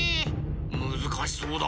むずかしそうだ。